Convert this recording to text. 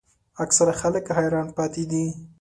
اکثره خلک حیران پاتې دي.